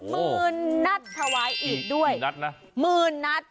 มืนนัดถวายอีดด้วยมืนนัดนะมืนนัด